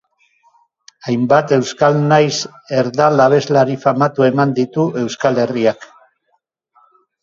Hainbat euskal nahiz erdal abeslari famatu eman ditu Euskal Herriak.